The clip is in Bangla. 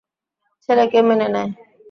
ছেলেকে মেনে নেয়।